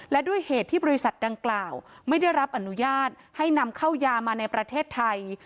และด้วยเหตุที่บริษัทดังกล่าวไม่ได้รับอนุญาตให้นำเข้ายามาในประเทศไทย